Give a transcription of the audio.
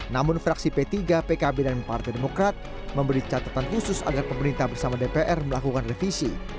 namun fraksi p tiga pkb dan partai demokrat memberi catatan khusus agar pemerintah bersama dpr melakukan revisi